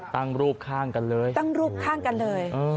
รูปข้างกันเลยตั้งรูปข้างกันเลย